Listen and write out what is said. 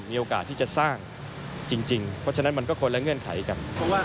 มีโอกาสที่จะสร้างจริงเพราะฉะนั้นมันก็คนละเงื่อนไขกัน